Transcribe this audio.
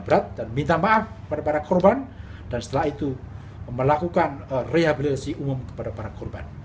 berat dan minta maaf pada para korban dan setelah itu melakukan rehabilitasi umum kepada para korban